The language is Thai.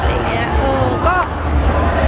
อะไรอย่างนี้